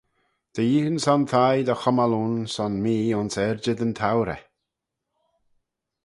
Dy yeeaghyn son thie dy chummal ayn son mee ayns yrjid yn thourey.